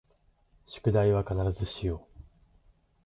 宿題を必ずしよう